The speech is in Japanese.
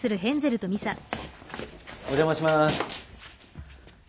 お邪魔します。